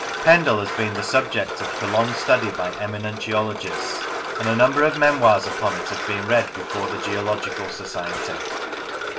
Pendle has been the subject of prolonged study by eminent geologists, and a number of memoirs upon it have been read before the Geological Society.